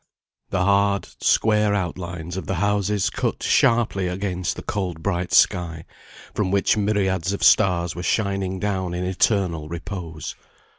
The hard, square outlines of the houses cut sharply against the cold bright sky, from which myriads of stars were shining down in eternal repose.